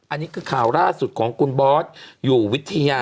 อันนี้คือข่าวล่าสุดของคุณบอสอยู่วิทยา